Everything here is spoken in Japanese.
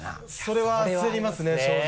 それは焦りますね正直。